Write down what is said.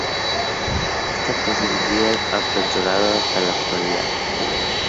Esta posibilidad ha perdurado hasta la actualidad.